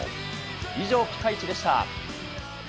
以上、ピカイチでした。